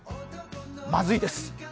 まずいです！